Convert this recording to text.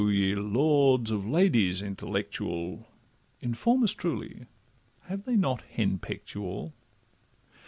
ye lords of ladies intellectual, Inform us truly, have they not hen peck'd you all?